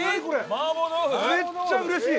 めっちゃ嬉しい！